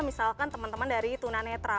misalkan teman teman dari tuna netra